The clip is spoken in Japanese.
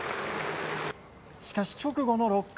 しかし直後の６回。